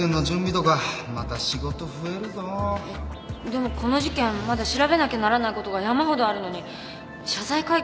でもこの事件まだ調べなきゃならないことが山ほどあるのに謝罪会見なんて。